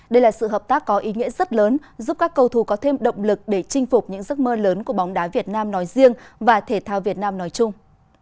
đây là sự hợp tác có ý nghĩa rất lớn giúp các cầu thù có thêm động lực để chinh phục những giấc mơ lớn của bóng đá việt nam nói riêng và thể thao việt nam nói chung